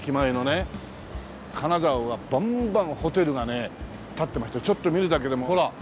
金沢はばんばんホテルがね建ってましてちょっと見るだけでもうほら。